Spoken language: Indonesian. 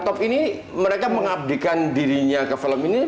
top ini mereka mengabdikan dirinya ke film ini